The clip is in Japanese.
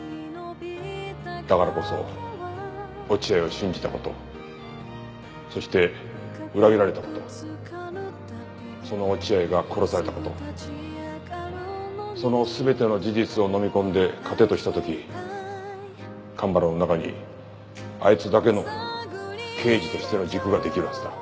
だからこそ落合を信じた事そして裏切られた事その落合が殺された事その全ての事実を飲み込んで糧とした時蒲原の中にあいつだけの刑事としての軸が出来るはずだ。